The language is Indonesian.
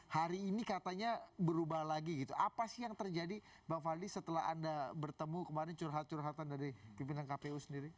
hari ini katanya berubah lagi gitu apa sih yang terjadi bang fadli setelah anda bertemu kemarin curhat curhatan dari pimpinan kpu sendiri